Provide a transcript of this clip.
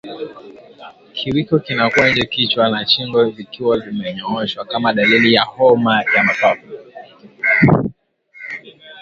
Kiwiko kinakuwa nje kichwa na shingo vikiwa vimenyooshwa kama dalili ya homa ya mapafu